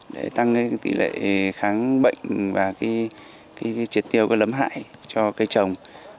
để tăng tỷ lệ kháng bệnh và triệt tiêu lấm hại cho cây trồng